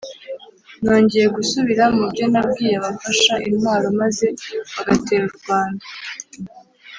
Nongeye gusubira mu byo nabwiye abafashe intwaro maze bagatera u Rwanda